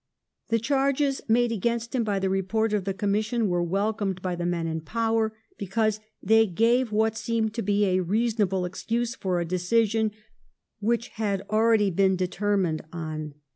The charges made against him by the report of the commission were welcomed by the men in power, because they gave what seemed to be a reasonable excuse for a decision which had already been determined on.